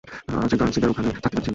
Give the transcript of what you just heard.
আজ গার্নসিদের ওখানে থাকতে যাচ্ছি।